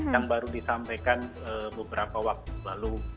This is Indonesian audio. yang baru disampaikan beberapa waktu lalu